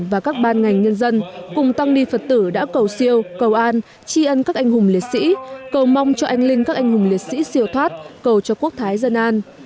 và các ban ngành nhân dân cùng tăng ni phật tử đã cầu siêu cầu an tri ân các anh hùng liệt sĩ cầu mong cho anh linh các anh hùng liệt sĩ siêu thoát cầu cho quốc thái dân an